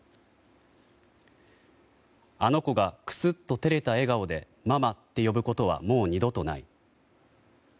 あの子がクスッと照れた笑顔でママって呼ぶことはもう二度とない。